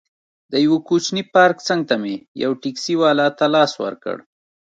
د یوه کوچني پارک څنګ ته مې یو ټکسي والا ته لاس ورکړ.